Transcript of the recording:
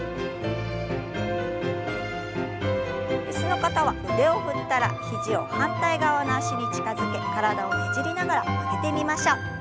椅子の方は腕を振ったら肘を反対側の脚に近づけ体をねじりながら曲げてみましょう。